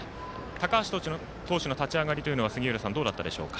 高橋投手の立ち上がりというのは杉浦さん、どうだったでしょうか。